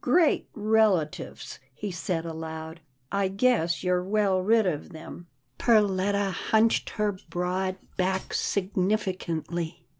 " Great relatives !" he said aloud, " I guess you're well rid of them." Perletta hunched her bi:oad back significantly.